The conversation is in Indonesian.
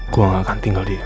gue nggak akan tinggal diam